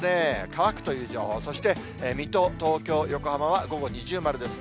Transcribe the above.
乾くという情報、そして、水戸、東京、横浜は、午後二重丸です。